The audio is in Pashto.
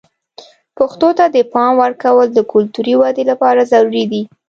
پښتو ته د پام ورکول د کلتوري ودې لپاره ضروري دي.